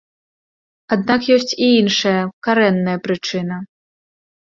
Аднак ёсць і іншая, карэнная прычына.